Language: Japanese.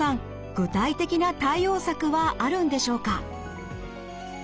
具体的な対応策はあるんでしょうか？